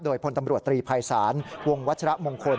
โดยพลตำรวจตรีภัยศาลวงวัชระมงคล